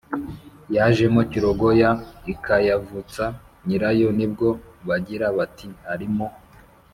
yajemo kirogoya ikayavutsa nyirayo ni bwo bagira bati: “Arimo